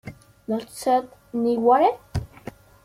Not send it anywhere?